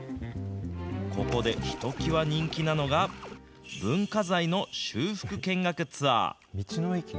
ここでひときわ人気なのが、文化財の修復見学ツアー。